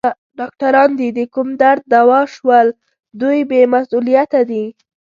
ډاکټران دي د کوم درد دوا شول؟ دوی بې مسؤلیته دي.